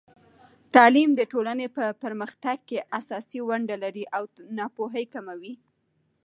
تعلیم د ټولنې په پرمختګ کې اساسي ونډه لري او ناپوهي کموي.